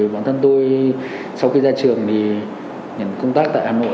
bản thân tôi sau khi ra trường thì nhận công tác tại hà nội